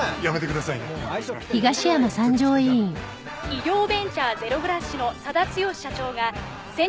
「医療ベンチャーゼロ・グラッシュの佐田毅社長が先日殺害された」